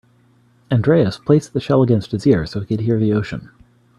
Andreas placed the shell against his ear so he could hear the ocean.